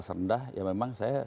yang serendah ya memang saya